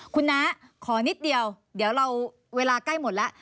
คุณน้าขอนิดเดียวเดี๋ยวเราเวลาใกล้หมดแล้ว